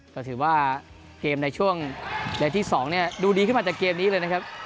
ก็ถือว่าเกมในช่วงเล็กที่๒ดูดีขึ้นมาจากเกมนี้เลยนะครับ